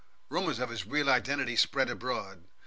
Rumours of his real identity spread abroad.